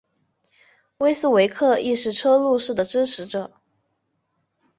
威斯维克亦是车路士的支持者。